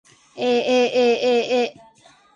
aaaa